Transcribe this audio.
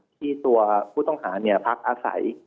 ที่ตัวผู้ต้องหาพักอาศัย